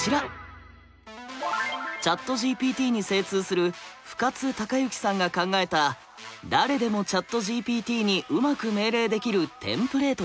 ＣｈａｔＧＰＴに精通する深津貴之さんが考えた誰でもＣｈａｔＧＰＴにうまく命令できるテンプレートです。